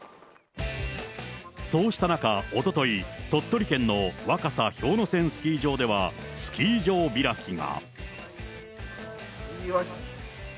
そうした中、おととい、鳥取県のわかさ氷ノ山スキー場では、スキー場開きが。